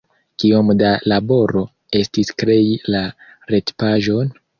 Kiom da laboro estis krei la retpaĝon?